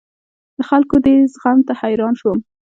د خلکو دې زغم ته حیران شوم.